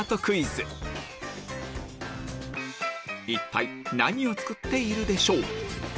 一体何を作っているでしょう？